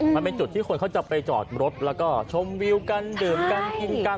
มันเป็นจุดที่คนเขาจะไปจอดรถแล้วก็ชมวิวกันดื่มกันกินกัน